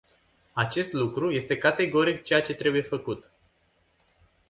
Acest lucru este categoric ceea ce trebuie făcut.